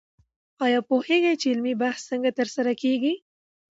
آیا پوهېږئ چې علمي بحث څنګه ترسره کېږي؟